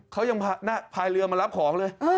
เขายังพายเรือมารับของเลย